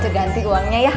cuy ganti uangnya ya